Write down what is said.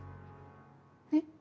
えっ。